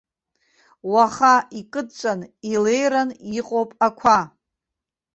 Уаха икыдҵәан илеиран иҟоуп ақәа!